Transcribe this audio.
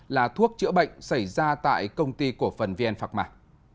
là thuốc chữa bệnh xảy ra tại công ty của phần vn phạc mạc